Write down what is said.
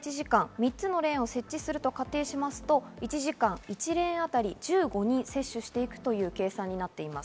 ３つのレーンを設置すると仮定すると１時間１レーンあたり１５人接種していくという計算です。